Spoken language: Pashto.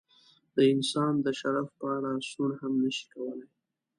د انسان د شرف په اړه سوڼ هم نشي کولای.